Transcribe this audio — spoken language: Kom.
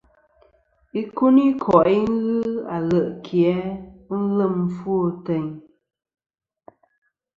Ikuniko'i ghɨ ale' ki a ghɨ lem ɨfwo ateyn.